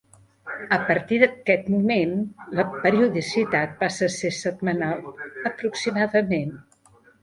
A partir d'aquest moment, la periodicitat passa a ser setmanal, aproximadament.